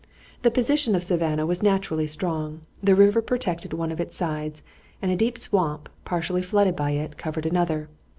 The position of Savannah was naturally strong. The river protected one of its sides and a deep swamp, partially flooded by it, covered another.